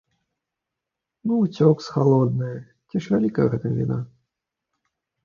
Ну уцёк з халоднае, ці ж вялікая ў гэтым віна!